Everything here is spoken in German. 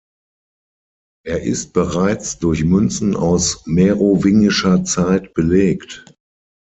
Er ist bereits durch Münzen aus merowingischer Zeit belegt.